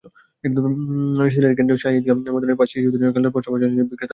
সিলেটের কেন্দ্রীয় শাহি ঈদগাহ ময়দানের পাশে শিশুদের জন্য খেলনার পসরা সাজিয়ে বসেছেন বিক্রেতারা।